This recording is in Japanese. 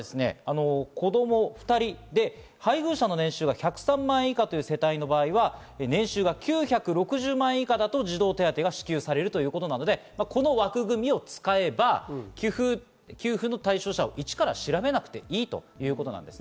例えば子供２人で配偶者の年収が１０３万円以下という世帯の場合、年収が９６０万以下だと児童手当が支給されるということなので、この枠組みを使えば給付の対象者をイチから調べなくてもいいということなんです。